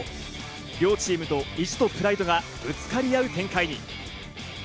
両チームの意地とプライドがぶつかり合う展開に。